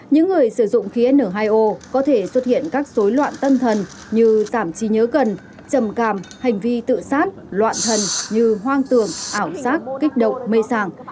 những người sử dụng khí n hai o có thể xuất hiện các xối loạn tân thần như giảm trí nhớ cần trầm càm hành vi tự xát loạn thần như hoang tường ảo sát kích động mê sàng